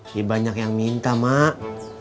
banyak yang minta mak